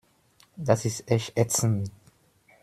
Das ist echt ätzend.